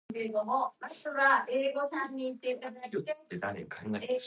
In most cases, the founder of the network is the netadmin.